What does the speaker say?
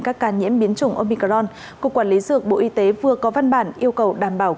các ca nhiễm biến chủng omicron cục quản lý dược bộ y tế vừa có văn bản yêu cầu đảm bảo